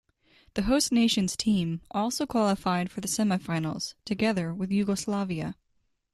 The host nation's team also qualified for the semifinals together with Yugoslavia.